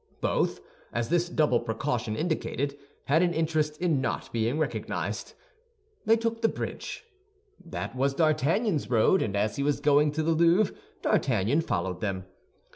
Both, as this double precaution indicated, had an interest in not being recognized. They took the bridge. That was D'Artagnan's road, as he was going to the Louvre. D'Artagnan followed them.